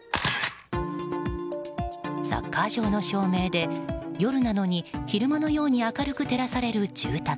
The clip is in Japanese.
サッカー場の照明で夜なのに昼間のように明るく照らされる住宅。